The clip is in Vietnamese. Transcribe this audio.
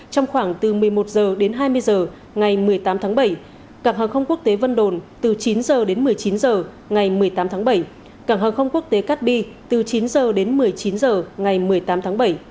trong khoảng từ một mươi một h đến hai mươi h ngày một mươi tám tháng bảy cảng hàng không quốc tế vân đồn từ chín h đến một mươi chín h ngày một mươi tám tháng bảy cảng hàng không quốc tế cát bi từ chín h đến một mươi chín h ngày một mươi tám tháng bảy